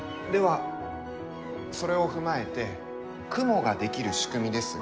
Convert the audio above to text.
では、それを踏まえて雲が出来る仕組みですが。